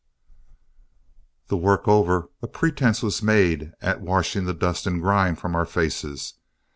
The work over, a pretense was made at washing the dust and grime from our faces.